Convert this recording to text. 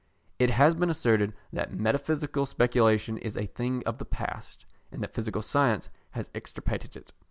It has been asserted that metaphysical speculation is a thing of the past, and that physical science has extirpated it.